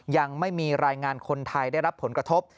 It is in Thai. ยังไม่มีรายงานคนไทยได้รับผลกระทบ